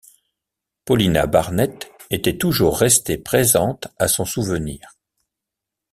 Paulina Barnett était toujours restée présente à son souvenir.